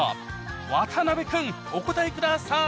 渡辺君お答えください